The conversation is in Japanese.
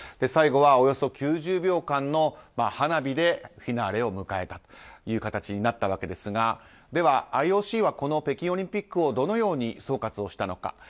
最後は、およそ９０秒間の花火でフィナーレを迎えたという形になったわけですがでは、ＩＯＣはこの北京オリンピックをどのように総括をしたのか。